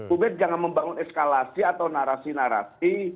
publik jangan membangun eskalasi atau narasi narasi